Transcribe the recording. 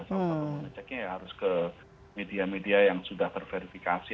sama sama pengecekan ya harus ke media media yang sudah terverifikasi